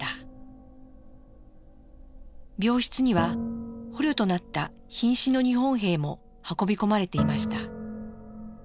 病室には捕虜となったひん死の日本兵も運び込まれていました。